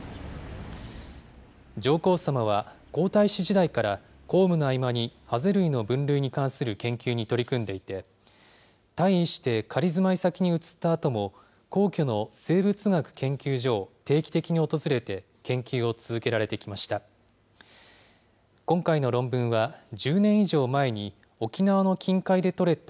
上皇さまは、皇太子時代から、公務の合間にハゼ類の分類に関する研究に取り組んでいて、退位して仮住まい先に移ったあとも、皇居の生物学研究所を定期的に訪れて、研究を続けられてきました。